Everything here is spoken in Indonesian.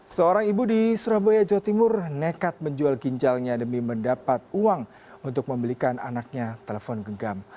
seorang ibu di surabaya jawa timur nekat menjual ginjalnya demi mendapat uang untuk membelikan anaknya telepon genggam